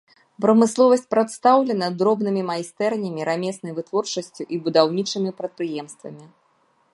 Прамысловасць прадстаўлена дробнымі майстэрнямі, рамеснай вытворчасцю і будаўнічымі прадпрыемствамі.